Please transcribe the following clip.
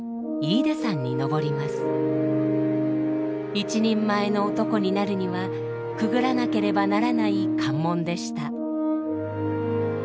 一人前の男になるにはくぐらなければならない関門でした。